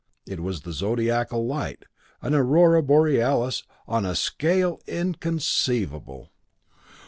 It was the zodiacal light, an aurora borealis on a scale inconceivable!